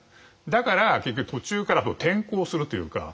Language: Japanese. だから結局途中から転向するというか